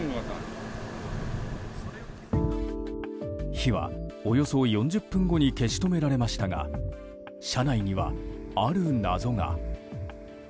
火は、およそ４０分後に消し止められましたが車内には、ある謎が。